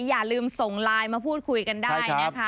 อย่าลืมส่งไลน์มาพูดคุยกันได้นะคะ